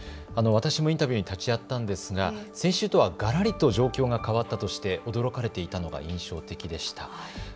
私もインタビューに立ち会ったんですが先週とはがらりと状況が変わったとして驚かれていたのが印象的でした。